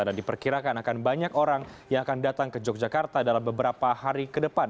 dan diperkirakan akan banyak orang yang akan datang ke yogyakarta dalam beberapa hari ke depan